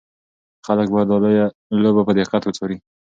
خلک باید دا لوبه په دقت وڅاري.